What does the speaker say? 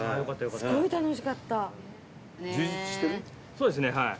そうですねはい。